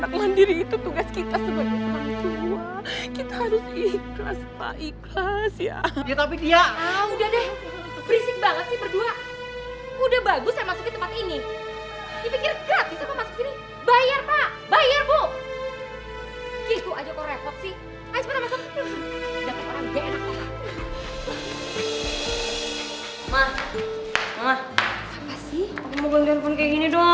aku mau beli handphone kayak gini dong